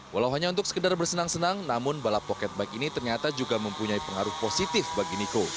walau hanya untuk sekedar bersenang senang namun balap pocket bike ini ternyata juga mempunyai pengaruh positif bagi niko